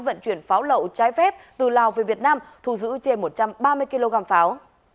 vận chuyển pháo lậu trái phép từ lào về việt nam thu giữ trên một trăm ba mươi kg pháo